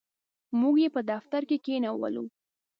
موږ یې په دفتر کې کښېنولو.